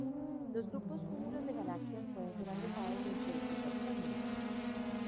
Los grupos y cúmulos de galaxias pueden ser agrupados dentro de supercúmulos.